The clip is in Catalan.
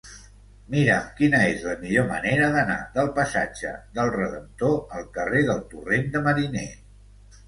Mira'm quina és la millor manera d'anar del passatge del Redemptor al carrer del Torrent de Mariner.